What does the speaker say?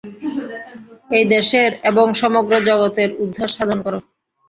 এই দেশের এবং সমগ্র জগতের উদ্ধার সাধন কর।